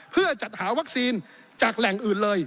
เพื่อจัดหาวัคซีนจากแหล่งอื่นเลย